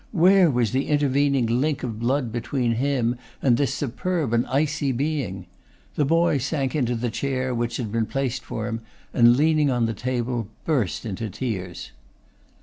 Where was the intervening link of blood between him and this superb and icy being? The boy sank into the chair which had been placed for him, and leaning on the table burst into tears.